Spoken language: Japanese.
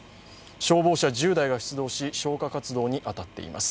消防車１０台が出動し消火活動に当たっています。